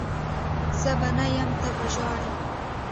زه به نه یم ته به ژاړي